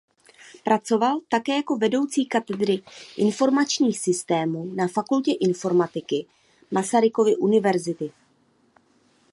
Pracoval také jako vedoucí Katedry informačních systémů na Fakultě informatiky Masarykovy univerzity.